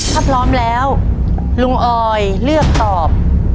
ถ้าพร้อมแล้วลุงออยเลือกตอบ